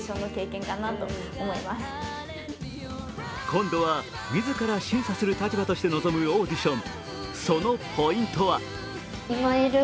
今度は自ら審査する立場として臨むオーディション。